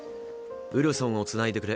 ウルソンをつないでくれ。